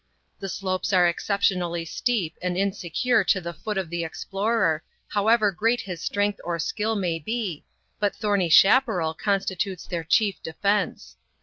The slopes are exceptionally steep and insecure to the foot of the explorer, however great his strength or skill may be, but thorny chaparral constitutes their chief defense.